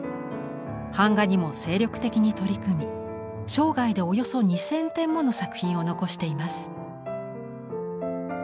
版画にも精力的に取り組み生涯でおよそ２，０００点もの作品を残しています。